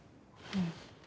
うん。